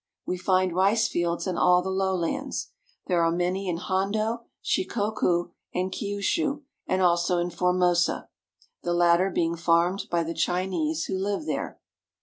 We find rice fields in all the lowlands. There are many in Hondo, Shikoku, and Kiushu, and also in Formosa, the latter being farmed by the Chinese who live there.